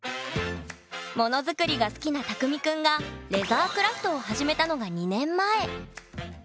物づくりが好きなたくみくんがレザークラフトを始めたのが２年前。